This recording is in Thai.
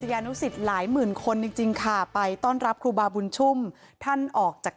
ยานุสิตหลายหมื่นคนจริงจริงค่ะไปต้อนรับครูบาบุญชุ่มท่านออกจาก